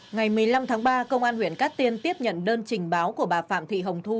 ngày một mươi năm tháng ba công an huyện cát tiên tiếp nhận đơn trình báo của bà phạm thị hồng thu